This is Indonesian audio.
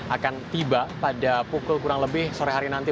akan tiba pada pukul kurang lebih sore hari nanti